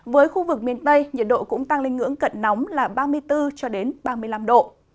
với khu vực miền tây nhiệt độ cũng tăng lên ngưỡng cận nóng là ba mươi bốn ba mươi năm độ